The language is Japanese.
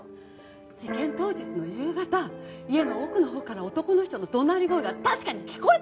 事件当日の夕方家の奥のほうから男の人の怒鳴り声が確かに聞こえたんです！